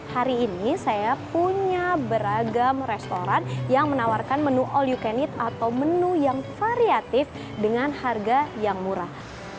hari ini saya punya beragam restoran yang menawarkan menu all you can eat atau menu yang variatif dengan harga yang murah